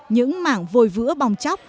những mảng vội vữa bong chóc